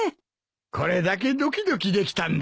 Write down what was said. これだけドキドキできたんだ。